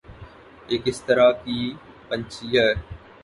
یہ کس طرح کی پنچھی ہے